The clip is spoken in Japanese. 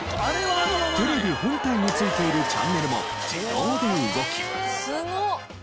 テレビ本体に付いているチャンネルも自動で動き。